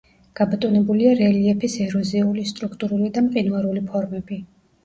გაბატონებულია რელიეფის ეროზიული, სტრუქტურული და მყინვარული ფორმები.